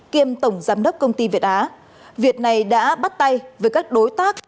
kiêm tổng giám đốc công ty việt á việc này đã bắt tay với các đối tác